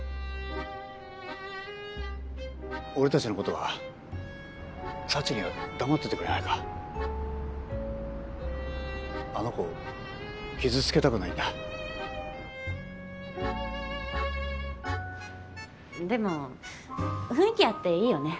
俺たちのことは幸には黙っててくれないかあの子を傷つけたくないんだでも雰囲気あっていいよね。